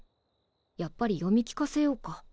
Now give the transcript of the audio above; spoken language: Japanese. やっぱり読み聞かせようか？